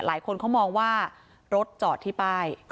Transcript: หลายคนก็มองว่ารถจอดที่ใบ